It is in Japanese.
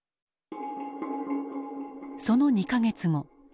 その２か月後。